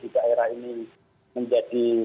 di daerah ini menjadi